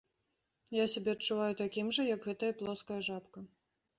Я сябе адчуваю такім жа, як гэтая плоская жабка.